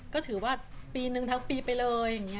ก็ถือว่าปีนึงทั้งปีไปเลย